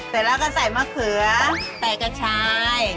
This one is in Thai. เสร็จแล้วก็ใส่มะเขือใส่กระชาย